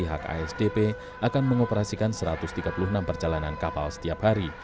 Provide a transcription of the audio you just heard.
pihak asdp akan mengoperasikan satu ratus tiga puluh enam perjalanan kapal setiap hari